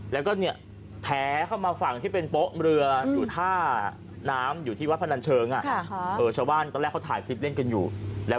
แล้วก็เลยบอกมันเกิดอะไรขึ้นครับ